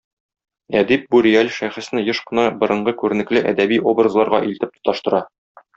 Әдип бу реаль шәхесне еш кына борынгы күренекле әдәби образларга илтеп тоташтыра.